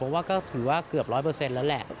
ว่าก็ถือว่าเกือบ๑๐๐แล้วแหละ